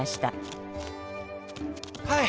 はい。